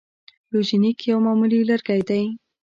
لوژینګ یو معمولي لرګی دی.